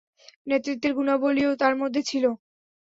নেতৃত্বের গুণাবলীও তাঁর মধ্যে ছিল।